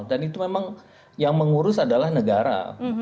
itu memang yang mengurus adalah negara